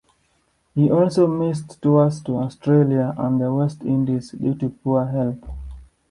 He also missed tours to Australia and the West Indies due to poor health.